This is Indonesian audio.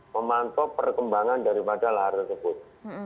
memantau perkembangan daripada lahar tersebut